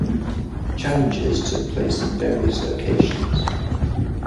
Challenges took place in various locations.